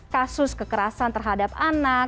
kasus kekerasan terhadap anak